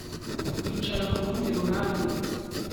kwicara ku rundi ruhande